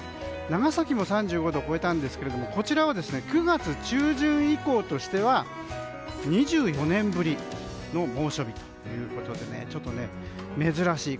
長崎も３５度を超えたんですけどこちらは９月中旬以降としては２４年ぶりの猛暑日ということでちょっと珍しい。